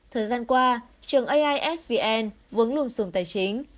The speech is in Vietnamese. thời gian qua trường aisvn vướng lùm sùng tài chính